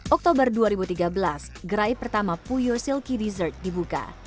oktober dua ribu tiga belas gerai pertama puyo silky dessert dibuka